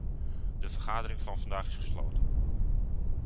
De vergadering van vandaag is gesloten.